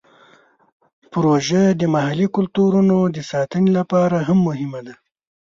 پروژه د محلي کلتورونو د ساتنې لپاره هم مهمه ده.